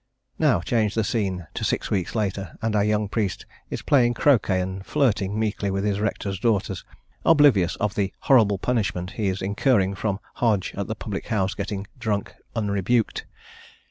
Now change the scene to six weeks later, and our young priest is playing croquet and flirting meekly with his rector's daughters, oblivious of the "horrible punishment" he is incurring from Hodge at the public house getting drunk unrebuked.